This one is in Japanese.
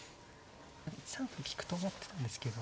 １三歩利くと思ってたんですけど